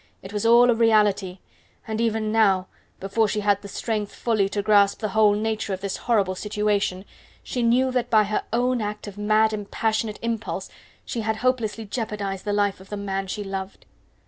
It was all a reality, and even now, before she had the strength fully to grasp the whole nature of this horrible situation, she knew that by her own act of mad and passionate impulse, she had hopelessly jeopardized the life of the man she loved.